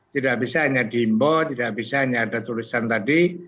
tidak bisa hanya dihimbo tidak bisa hanya ada tulisan tadi